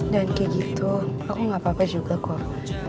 dan kayak gitu aku gapapa juga kok